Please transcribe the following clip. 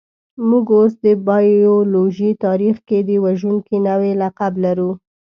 موږ اوس د بایولوژۍ تاریخ کې د وژونکي نوعې لقب لرو.